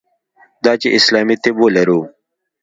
دا چې اسلامي طب ولرو.